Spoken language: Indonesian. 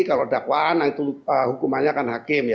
kalau dakwaan hukumannya akan hakim